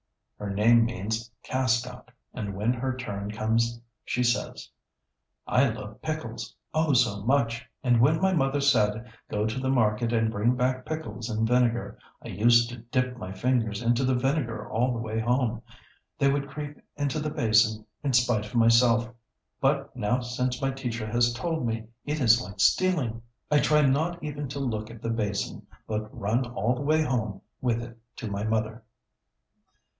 Her name means "Cast Out," and when her turn comes she says, "I love pickles, oh! so much, and when my mother said, 'Go to the market and bring back pickles in vinegar,' I used to dip my fingers into the vinegar all the way home, they would creep into the basin in spite of myself, but now since my teacher has told me it is like stealing, I try not even to look at the basin, but run all the way home with it to my mother."